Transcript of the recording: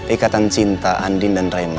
ikatan cinta andin dan raina